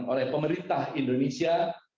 oleh pemerintah indonesia